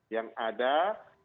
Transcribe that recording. yang ada di pon